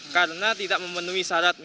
karena tidak memenuhi syarat